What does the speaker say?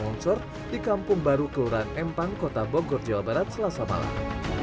longsor di kampung baru kelurahan empang kota bogor jawa barat selasa malam